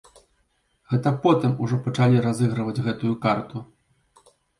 Гэта потым ужо пачалі разыгрываць гэтую карту.